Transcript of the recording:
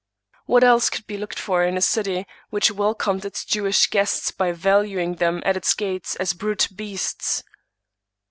What else could be looked for in a city which wel comed its Jewish guests by valuing them at its gates as brute beasts?